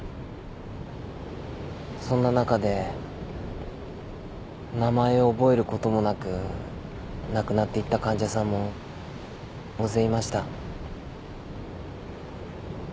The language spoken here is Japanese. そんな中で名前を覚えることもなく亡くなっていった患者さんも大勢いました。